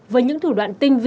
với những thủ đoạn tình vi